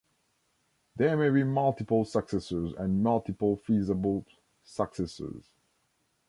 There may be multiple successors and multiple feasible successors.